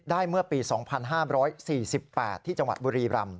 ได้เมื่อปี๒๕๔๘ที่จังหวัดบุรีรัมพ์